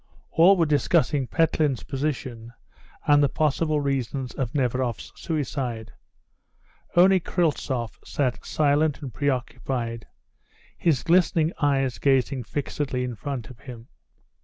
All were discussing Petlin's position and the possible reasons of Neveroff's suicide. Only Kryltzoff sat silent and preoccupied, his glistening eyes gazing fixedly in front of him.